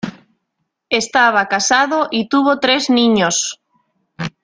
Estaba casado y tuvo tres niños.